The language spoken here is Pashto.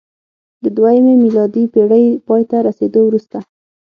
د دویمې میلادي پېړۍ پای ته رسېدو وروسته